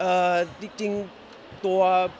เมื่อไหร่เหมือนกับตอบรายไม้เป็นไหน